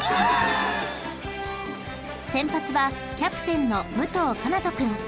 ［先発はキャプテンの武藤夏渚斗君］